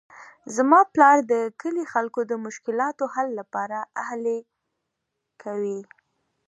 زما پلار د کلي د خلکو د مشکلاتو د حل لپاره هلې کوي